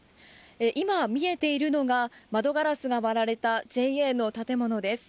今、見えているのが窓ガラスが割られたＪＡの建物です。